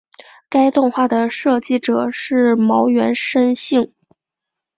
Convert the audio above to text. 该动画的设计者是茅原伸幸。